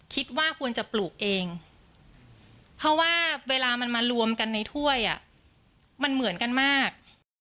คิดว่าควรจะปลูกเองเพราะว่าเวลามันมารวมกันในถ้วยมันเหมือนกันมาก